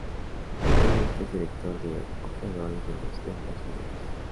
Actualmente es director de ojeadores de los Denver Nuggets.